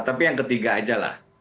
tapi yang ketiga aja